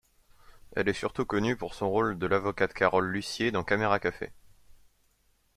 Elle est surtout connue pour son rôle de l'avocate Carole Lussier dans Caméra Café.